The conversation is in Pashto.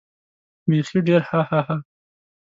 بېخي ډېر هههه.